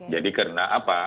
jadi karena apa